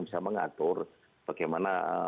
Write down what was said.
bisa mengatur bagaimana